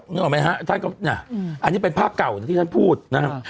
นึกออกมั้ยนะฮะอันนี้เป็นภาพก่อนที่ฉันพูดนะครับ